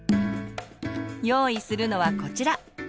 用意するのはこちら。